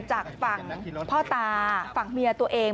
จากฝั่งพ่อตาฝั่งเมียตัวเอง